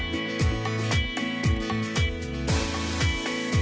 เป็นภัยแล้ว